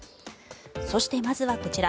そして、まずはこちら。